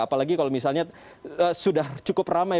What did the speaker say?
apalagi kalau misalnya sudah cukup ramai